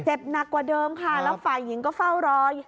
หนักกว่าเดิมค่ะแล้วฝ่ายหญิงก็เฝ้ารอย